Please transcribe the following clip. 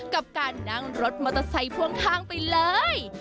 กับการนั่งรถมอเตอร์ไซค์พ่วงข้างไปเลย